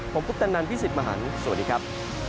ผมคุปตะนันพี่สิทธิ์มหันฯสวัสดีครับ